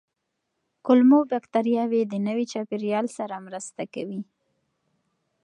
کولمو بکتریاوې د نوي چاپېریال سره مرسته کوي.